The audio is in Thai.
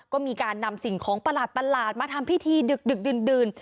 ก็มีการนำสิ่งของประหลาดมาทำพิธีดึกดื่น